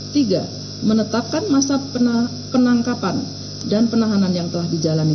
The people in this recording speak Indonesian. tiga menetapkan masa penangkapan dan penahanan yang telah dijalani